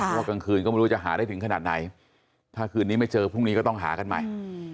เพราะว่ากลางคืนก็ไม่รู้จะหาได้ถึงขนาดไหนถ้าคืนนี้ไม่เจอพรุ่งนี้ก็ต้องหากันใหม่